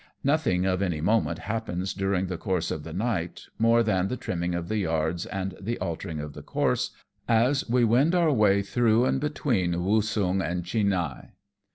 !N"othing of any moment happens during the course of the night, more than the trimming of the yards and the altering of the course, as we wend our way through between "Woosung and Chinhae.